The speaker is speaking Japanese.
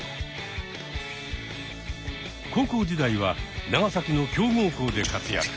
高校時代は長崎の強豪校で活躍。